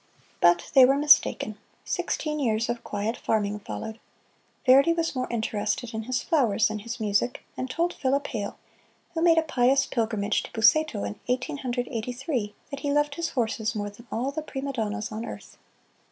But they were mistaken. Sixteen years of quiet farming followed. Verdi was more interested in his flowers than his music, and told Philip Hale, who made a pious pilgrimage to Busseto in Eighteen Hundred Eighty three, that he loved his horses more than all the prima donnas on earth.